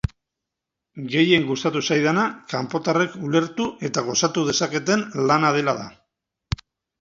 Gehien gustatu zaidana kanpotarrek ulertu eta gozatu dezaketen lana dela da.